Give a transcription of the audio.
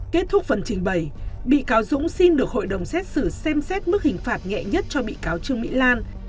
kết thúc phần trình bày bị cáo dũng xin được hội đồng xét xử xem xét mức hình phạt nhẹ nhất cho bị cáo trương mỹ lan